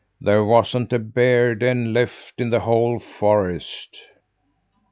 There wasn't a bear's den left in the whole forest."